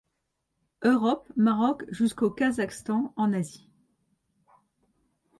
Europe, Maroc jusqu'au Kazakhstan en Asie.